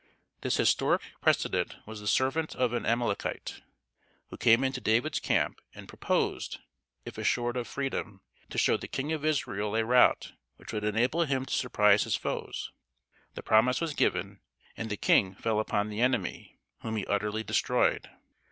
This historic precedent was the servant of an Amalekite, who came into David's camp and proposed, if assured of freedom, to show the King of Israel a route which would enable him to surprise his foes. The promise was given, and the king fell upon the enemy, whom he utterly destroyed.